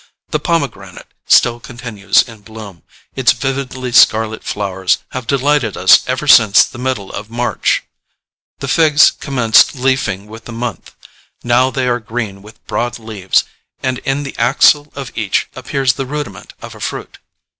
The pomegranate still continues in bloom: its vividly scarlet flowers have delighted us ever since the middle of March. The figs commenced leafing with the month: now they are green with broad leaves, and in the axil of each appears the rudiment of a fruit.